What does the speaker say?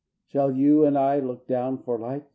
Shall you and I look down for light?